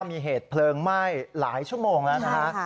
มีเหตุเพลิงไหม้หลายชั่วโมงแล้วนะฮะ